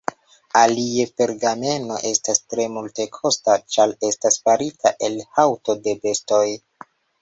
Alie, pergameno estas tre multekosta, ĉar estas farita el haŭto de bestoj.